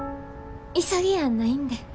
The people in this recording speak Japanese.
急ぎやないんで。